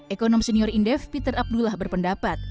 ekonom senior indef peter abdullah berpendapat